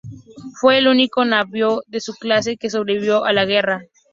Fue el único navío de su clase que sobrevivió a la guerra.